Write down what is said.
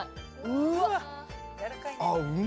うわ！